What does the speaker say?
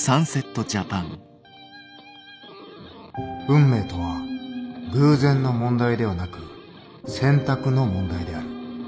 運命とは偶然の問題ではなく選択の問題である。